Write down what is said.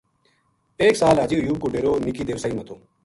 ایک سال حاجی ایوب کو ڈیرو نِکی دیواسئی ما تھو